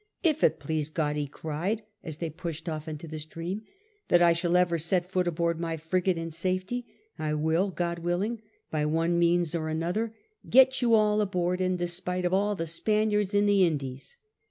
"If it please God," he cried, as they pushed off into the stream, " that I shall ever set foot aboard my frigate in safety, I will, God willing, by one means or another get you all aboard in despite of all the Spaniards in the Indies."